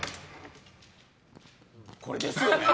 これですよね。